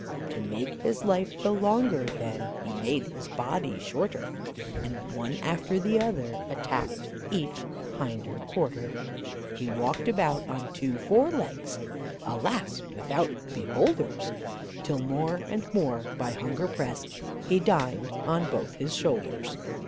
To make his life the longer then, he made his body shorter, And one after the other attacked each hinder quarter. He walked about on two fore legs, alas! without beholders, 'Till more and more by hunger pressed, he dined on both his shoulders.